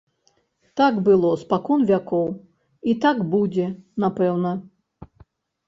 Так было спакон вякоў, і так будзе, напэўна.